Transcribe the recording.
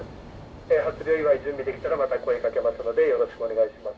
初漁祝い準備できたらまた声かけますのでよろしくお願いします。